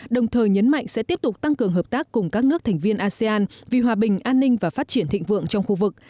đồng thời nhấn mạnh sẽ tiếp tục tăng cường hợp tác cùng các nước thành viên asean vì hòa bình an ninh và phát triển thịnh vượng trong khu vực